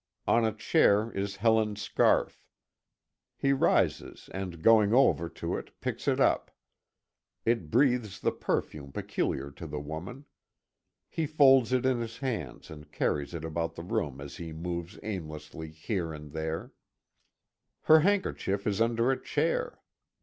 On a chair is Helen's scarf. He rises and going over to it picks it up. It breathes the perfume peculiar to the woman. He folds it in his hands and carries it about the room as he moves aimlessly here and there. Her handkerchief is under a chair.